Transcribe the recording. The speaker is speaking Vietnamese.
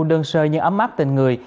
đơn sơ nhưng ấm áp tình người